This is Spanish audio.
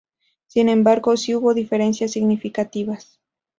Sin embargo, sí hubo diferencias significativas.